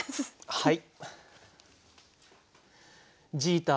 はい。